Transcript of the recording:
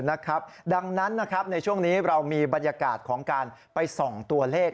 ดังนั้นนะครับในช่วงนี้เรามีบรรยากาศของการไปส่องตัวเลข